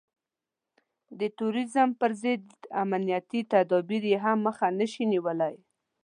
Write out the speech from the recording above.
د تروريزم پر ضد امنيتي تدابير يې هم مخه نشي نيولای.